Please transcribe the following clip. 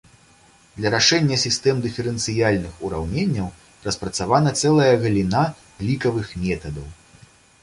Для рашэння сістэм дыферэнцыяльных ураўненняў распрацавана цэлая галіна лікавых метадаў.